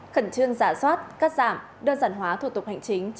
khẩn trương giả soát cắt giảm đơn giản hóa thủ tục hành chính